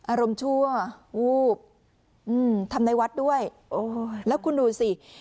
อารมณ์ชั่วทำในวัดด้วยแล้วคุณดูสิ